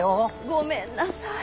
ごめんなさい。